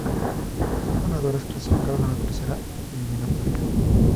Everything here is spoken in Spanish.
Los dos ganadores clasificaron a la tercera eliminatoria.